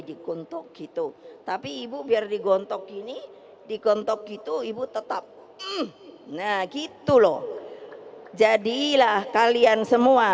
digontok gitu tapi ibu biar digontok gini digontok gitu ibu tetap nah gitu loh jadilah kalian semua